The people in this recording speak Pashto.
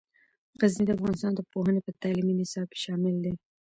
غزني د افغانستان د پوهنې په تعلیمي نصاب کې شامل دی.